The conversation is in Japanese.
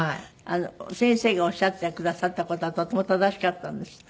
先生がおっしゃってくださった事はとても正しかったんですって？